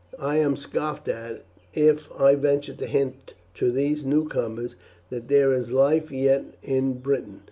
I am scoffed at if I venture to hint to these newcomers that there is life yet in Britain.